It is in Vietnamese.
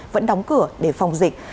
vẫn đóng cửa để phòng dịch